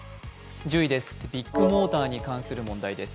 １０位です、ビッグモーターに関する問題です。